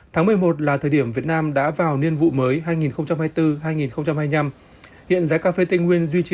tháng một mươi một là thời điểm việt nam đã vào niên vụ mới hai nghìn hai mươi bốn hai nghìn hai mươi năm hiện giá cà phê tây nguyên duy trì